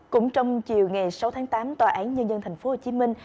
cũng trong chiều ngày sáu tháng tám tòa án nhân dân thành phố hồ chí minh